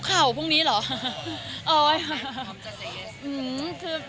แล้วเร็วนี้ก็แบบ